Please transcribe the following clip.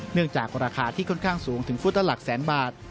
เนื่องจากราคาที่ค่อนข้างสูงถึงฟุตละหลักแสนบาท